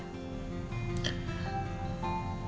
hanya luka luar saja